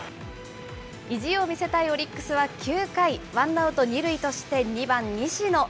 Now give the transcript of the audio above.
意地を見せたいオリックスは９回、ワンアウト２塁として２番西野。